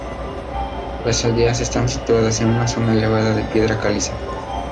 Las aldeas están situadas en una zona elevada de piedra caliza.